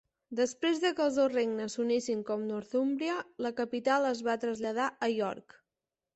Després de que els dos regnes s'unissin com Northumbria, la capital es va traslladar a York.